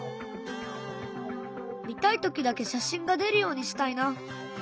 見たい時だけ写真が出るようにしたいな。